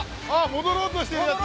戻ろうとしてる！